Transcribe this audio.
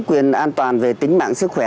quyền an toàn về tính mạng sức khỏe